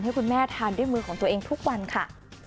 ให้คุณแม่ทานด้วยมือของตัวเองทุกวันค่ะ